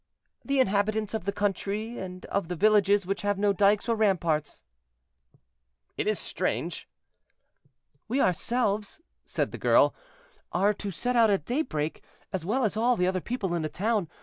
"The inhabitants of the country and of the villages which have no dykes or ramparts." "It is strange." "We ourselves," said the girl, "are to set out at daybreak, as well as all the other people in the town.